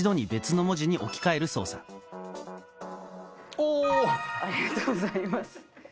ありがとうございます。